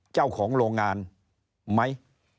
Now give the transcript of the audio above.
เจ้าของโรงงานไหม